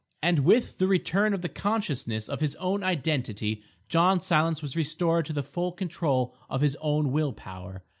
And with the return of the consciousness of his own identity John Silence was restored to the full control of his own will power.